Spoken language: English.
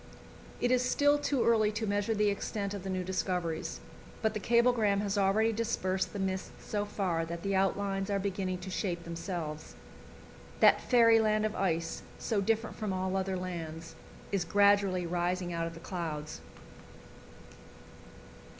It is still too early to measure the extent of the new discoveries, but the cablegram has already dispersed the mists so far that the outlines are beginning to shape themselves. That fairyland of ice, so different from all other lands, is gradually rising out of the clouds.